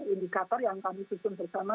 indikator yang kami susun bersama